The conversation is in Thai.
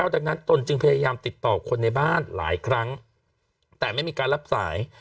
ดังนั้นตนจึงพยายามติดต่อคนในบ้านหลายครั้งแต่ไม่มีการรับสาย